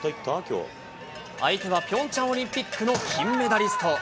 相手はピョンチャンオリンピックの金メダリスト。